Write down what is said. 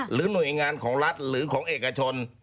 หรือหน่วยงานของรัฐหรือของเอกชน